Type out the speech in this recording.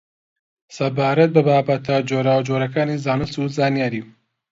سەبارەت بە بابەتە جۆراوجۆرەکانی زانست و زانیاری